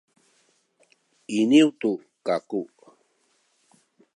iniyu tu kaku